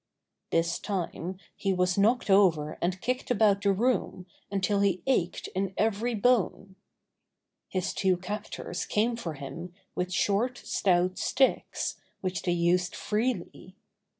This time he was knocked over and kicked about the room until he ached in every bone. 47 48 Buster the Bear His two captors came for him with short, stout sticks, which they used freely.